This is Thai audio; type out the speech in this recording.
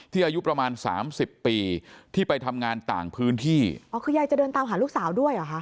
อายุประมาณสามสิบปีที่ไปทำงานต่างพื้นที่อ๋อคือยายจะเดินตามหาลูกสาวด้วยเหรอคะ